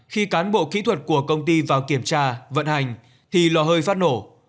khi cán bộ kỹ thuật của công ty vào kiểm tra vận hành thì lò hơi phát nổ